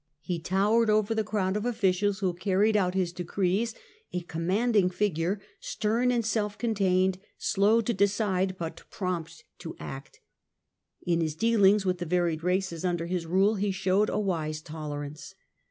He towered over the crowd of officials who carried out his decrees, a com manding figure, stern and self contained, slow to decide, but prompt to act. In his dealings with the varied races under his rule he showed a wise tolerance.